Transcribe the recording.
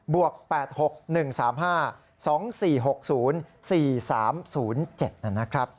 วก๘๖๑๓๕๒๔๖๐๔๓๐๗นะครับ